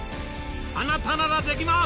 あなたならできます！